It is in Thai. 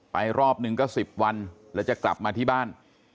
รอบหนึ่งก็๑๐วันแล้วจะกลับมาที่บ้าน